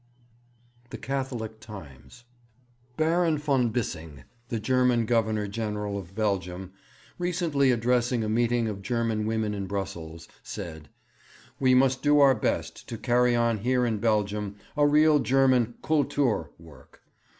The Catholic Times. 'Baron von Bissing, the German Governor General of Belgium, recently addressing a meeting of German women in Brussels, said, "We must do our best to carry on here in Belgium a real German 'Kultur' work."